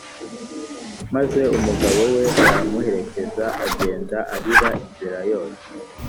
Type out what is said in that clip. Maze umugabo we aramuherekeza agenda arira inzira yose